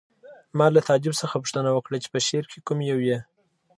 ما له تعجب څخه پوښتنه وکړه چې په شعر کې کوم یو یې